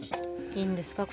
いいんですか？